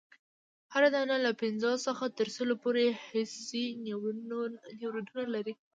هره دانه له پنځوسو څخه تر سلو پوري حسي نیورونونه لري.